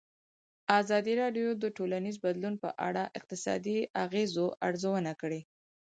ازادي راډیو د ټولنیز بدلون په اړه د اقتصادي اغېزو ارزونه کړې.